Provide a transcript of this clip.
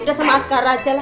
udah sama askar aja lah